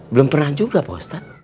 belum pernah juga pak ustadz